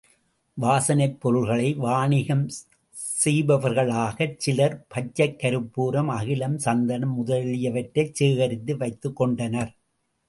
வாசனைப் பொருள்களை வாணிகம் செய்பவர்களாகச் சிலர் பச்சைக் கருப்பூரம், அகிலம், சந்தனம் முதலியவற்றைச் சேகரித்து வைத்துக் கொண்டனர்.